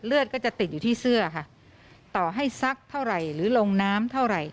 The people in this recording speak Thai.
ก็จะติดอยู่ที่เสื้อค่ะต่อให้ซักเท่าไหร่หรือลงน้ำเท่าไหร่